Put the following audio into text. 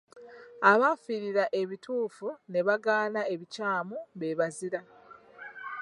Abaafiiririra ebituufu ne bagaana ebikyamu be bazira.